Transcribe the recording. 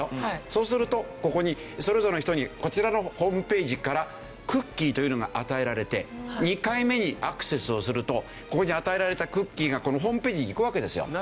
そうするとここにそれぞれの人にこちらのホームページからクッキーというのが与えられて２回目にアクセスをするとここに与えられたクッキーがこのホームページにいくわけですよ。